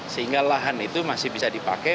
sehingga lahan itu masih bisa dipakai